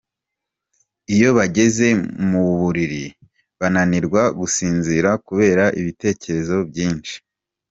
Iyo bageze mu buriri bananirwa gusinzira kubera ibitekerezo byinshi.